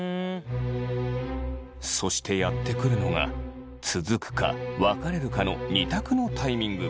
そしてやって来るのが続くか別れるかの２択のタイミング。